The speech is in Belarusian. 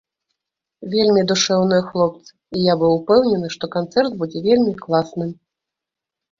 Вельмі душэўныя хлопцы, і я быў упэўнены, што канцэрт будзе вельмі класным.